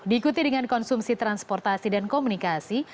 diikuti dengan konsumsi transportasi dan komunikasi